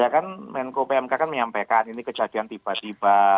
ya kan menko pmk kan menyampaikan ini kejadian tiba tiba